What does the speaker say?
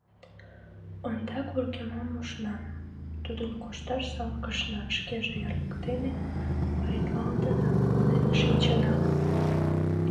Ондак вургемнам мушна, тудым кошташ сакалышна, шкеже ер воктене паритлалтын, улнен шинчена.